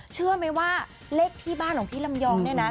เชื่อไหมว่าเลขที่บ้านของพี่ลำยองเนี่ยนะ